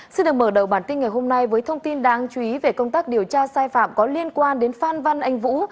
xin được mở đầu bản tin ngày hôm nay với thông tin đáng chú ý về công tác điều tra sai phạm có liên quan đến phan văn anh vũ